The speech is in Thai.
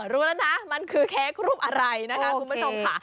รู้แล้วนะมันคือเค้กรูปอะไรนะคะคุณผู้ชมค่ะ